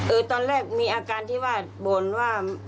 ตอนแรกมีอาการที่ว่าบ่นว่า